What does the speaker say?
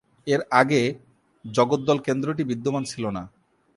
এর আগে, জগদ্দল কেন্দ্রটি বিদ্যমান ছিল না।